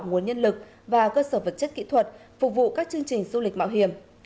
nguồn nhân lực và cơ sở vật chất kỹ thuật phục vụ các chương trình du lịch mạo hiểm